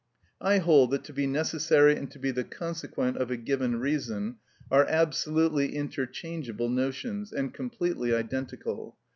I hold that to be necessary and to be the consequent of a given reason are absolutely interchangeable notions, and completely identical.